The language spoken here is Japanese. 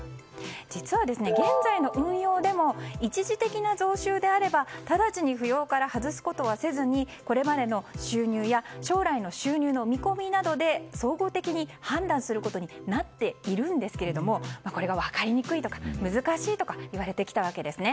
実は、現在の運用でも一時的な増収であればただちに扶養から外すことはせずこれまでの収入や将来の収入の見込みなどで総合的に判断することになっているんですけどもこれが分かりにくいとか難しいとか言われてきたわけです。